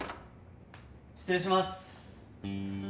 失礼します。